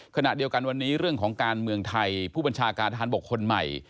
ขณะเดียวกันวันนี้เรื่องของการเมืองไทยผู้บัญชาการทหารบกคนใหม่